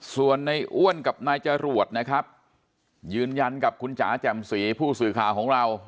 ส่วนในอ้วนกับนายจรวดนะครับยืนยันกับคุณจ๋าแจ่มสีผู้สื่อข่าวของเรา